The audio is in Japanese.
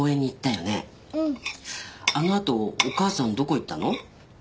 うんあのあとお母さんどこ行ったの？